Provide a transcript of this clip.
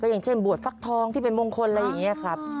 อย่างเช่นบวชฟักทองที่เป็นมงคลอะไรอย่างนี้ครับ